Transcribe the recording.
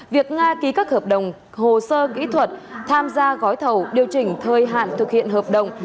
việc nga ký các hợp đồng hồ sơ kỹ thuật tham gia gói thầu điều chỉnh thời hạn thực hiện hợp đồng